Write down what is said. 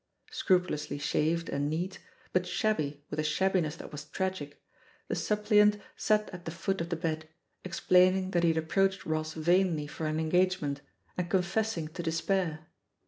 Scrupulously shaved, and neatp but shabby with a shabbiness that was tragic, the suppliant sat at the foot of the bed, explaining that he had approached Ross vainly for an en gagement, and confessing to despair.